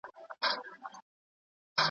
سياسي تنوع د یوې پرمختللې ټولني ښکلا ده.